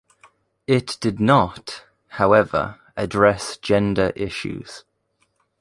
It did not, however, address gender issues.